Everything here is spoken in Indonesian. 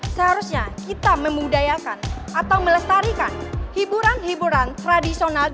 seharusnya kita membudayakan atau melestarikan hiburan hiburan tradisional